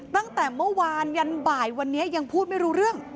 ตั้งแต่เมื่อวานยันบ่ายวันนี้ยังพูดไม่รู้เรื่อง